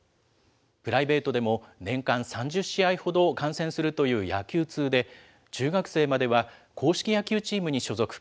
プライベートでも、年間３０試合ほどを観戦するという野球通で、中学生までは、硬式野球チームに所属。